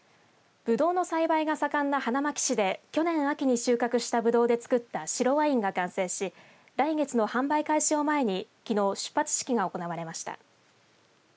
ぶどうの栽培が盛んな花巻市で去年、秋に収穫したぶどうでつくった白ワインが完成し来月の販売開始を前にきのう出発式が行われました。